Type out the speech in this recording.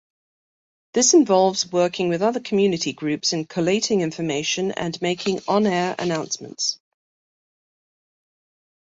This involves working with other community groups in collating information and making on-air announcements.